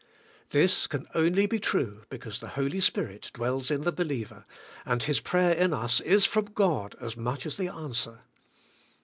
This can only be true because the Holy Spirit dwells in the be liever, and His prayer in us is from God as much as the answer.